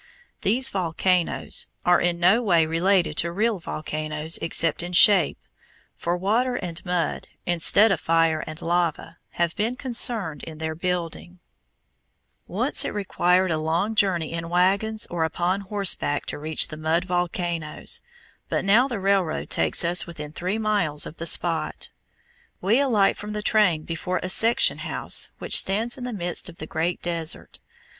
These volcanoes are in no way related to real volcanoes except in shape, for water and mud, instead of fire and lava, have been concerned in their building. [Illustration: FIG. 30. MUD VOLCANOES, COLORADO DESERT] Once it required a long journey in wagons or upon horseback to reach the mud volcanoes, but now the railroad takes us within three miles of the spot. We alight from the train before a section house which stands in the midst of the great desert.